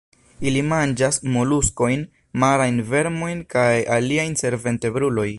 Ili manĝas moluskojn, marajn vermojn kaj aliajn senvertebrulojn.